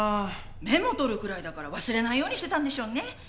メモ取るくらいだから忘れないようにしてたんでしょうね。